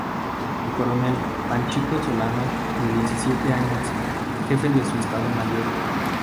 El coronel "Panchito" Solano, de diecisiete años, jefe de su Estado Mayor.